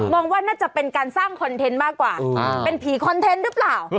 ว่าน่าจะเป็นการสร้างคอนเทนต์มากกว่าเป็นผีคอนเทนต์หรือเปล่า